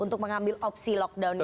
untuk mengambil opsi lockdown itu ya